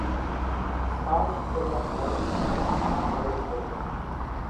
ساش ڪريا ۿارُو ۮونڻِي هوئيَ سي۔